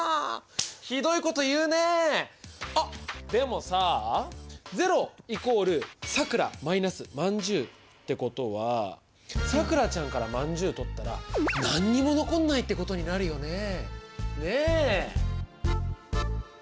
あっでもさあ０＝さくらーまんじゅうってことはさくらちゃんからまんじゅう取ったら何にも残んないってことになるよねえ。